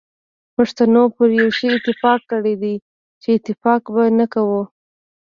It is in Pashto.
پښتنو پر یو شی اتفاق کړی چي اتفاق به نه کوو.